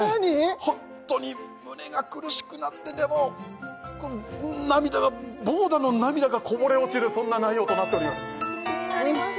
ホンットに胸が苦しくなってでも涙がぼうだの涙がこぼれ落ちるそんな内容となっております嘘？